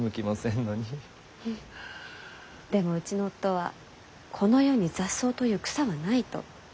フッでもうちの夫は「この世に雑草という草はない」と。